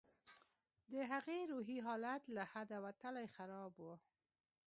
د هغې روحي حالت له حده وتلى خراب و.